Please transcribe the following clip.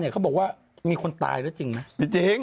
เขาบอกว่ามีคนตายแล้วจริงไหมจริง